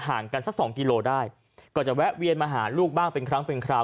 กันสักสองกิโลได้ก็จะแวะเวียนมาหาลูกบ้างเป็นครั้งเป็นคราว